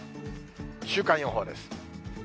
週間予報です。